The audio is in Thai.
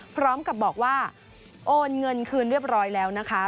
พร้อมกับบอกว่าโอนเงินคืนเรียบร้อยแล้วนะคะ